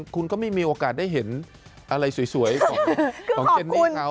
คุณก็ไม่มีโอกาสได้เห็นอะไรสวยของเจนนี่เขา